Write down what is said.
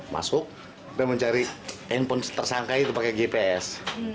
masuk dia mencari handphone tersangka itu pakai gps